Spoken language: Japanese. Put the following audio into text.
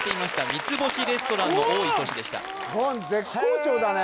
三つ星レストランの多い都市でした言絶好調だね